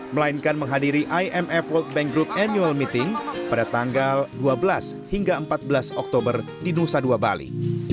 melainkan menghadiri imf world bank group annual meeting pada tanggal dua belas hingga empat belas oktober di nusa dua bali